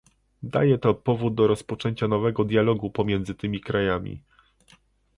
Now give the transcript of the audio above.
Daje to powód do rozpoczęcia nowego dialogu pomiędzy tymi krajami